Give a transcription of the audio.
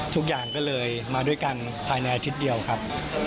ทุกอย่างก็เลยมาด้วยกันภายในอาทิตย์เดียวครับ